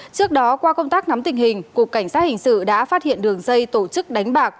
trước đó qua công tác nắm tình hình cục cảnh sát hình sự đã phát hiện đường dây tổ chức đánh bạc